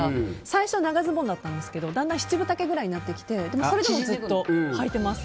最初、長ズボンだったんですけどだんだん七分丈くらいになってきてそれでもずっとはいてます。